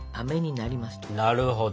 なるほど。